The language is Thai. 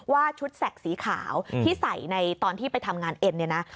ชุดแสกสีขาวที่ใส่ในตอนที่ไปทำงานเอ็นเนี่ยนะ